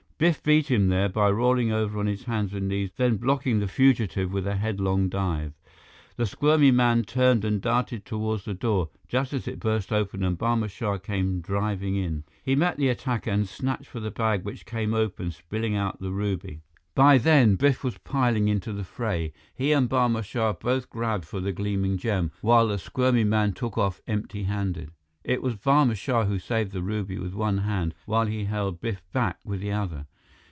Biff beat him there, by rolling over on his hands and knees, then blocking the fugitive with a headlong dive. The squirmy man turned and darted toward the door, just as it burst open and Barma Shah came driving in. He met the attacker and snatched for the bag, which came open, spilling out the ruby. By then, Biff was piling into the fray. He and Barma Shah both grabbed for the gleaming gem, while the squirmy man took off empty handed. It was Barma Shah who saved the ruby with one hand, while he held Biff back with the other.